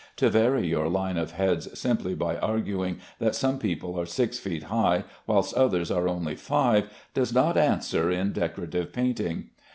To vary your line of heads simply by arguing that some people are six feet high whilst others are only five, does not answer in decorative painting.